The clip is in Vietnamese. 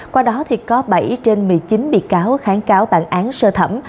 qua đó thì có bảy trên một mươi chín bị cáo kháng cáo bản án sơ thẩm